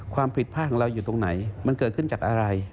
ความผิดพลาดของเราอยู่ตรงไหนมันเกิดขึ้นจากอะไร